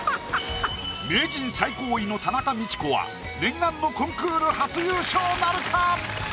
名人最高位の田中道子は念願のコンクール初優勝なるか？